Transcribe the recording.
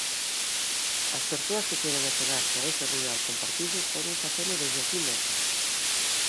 As persoas que queiran achegarse a ese rural compartido poden facelo desde aquí mesmo.